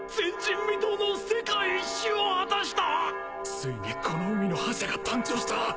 ついにこの海の覇者が誕生した。